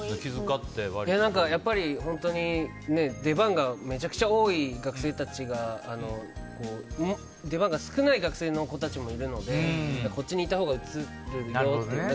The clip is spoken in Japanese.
やっぱり、出番がめちゃくちゃ多い学生たちや出番が少ない学生の子たちもいるのでこっちにいたほうが映るなとか。